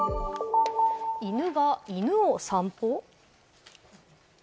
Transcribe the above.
犬が犬を散歩！？